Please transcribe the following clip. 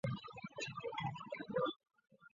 卸载军资后班宁顿号在夏威夷近海训练。